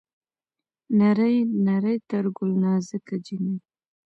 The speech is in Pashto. نرۍ نرى تر ګل نازکه جينۍ